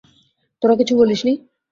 তোরা কিছু বলিস নি?